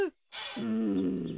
うん。